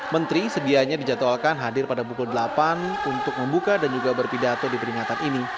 menteri sedianya dijadwalkan hadir pada pukul delapan untuk membuka dan juga berpidato di peringatan ini